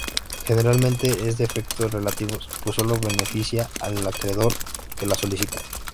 Generalmente es de efectos relativos, pues sólo beneficia al acreedor que la solicita.